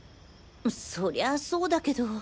そりゃそうだけど。